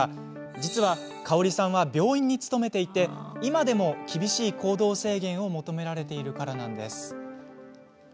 実は、かおりさんは病院に勤めていて今でも厳しい行動制限を求められているからです。